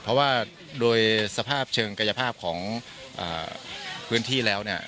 เพราะว่าโดยสภาพเชิงกายภาพของพื้นที่แล้วเนี่ย